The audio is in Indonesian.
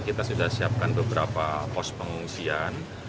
kita sudah siapkan beberapa pos pengungsian